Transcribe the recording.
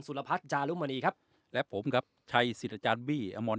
รพัฒน์จารุมณีครับและผมครับชัยสิทธิ์อาจารย์บี้อมร